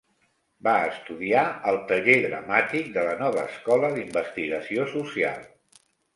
Va estudiar al Taller dramàtic de la Nova escola d'investigació social.